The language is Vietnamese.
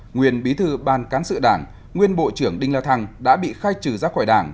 nguyên bí thư ban cán sự đảng nguyên bộ trưởng đinh la thăng đã bị khai trừ ra khỏi đảng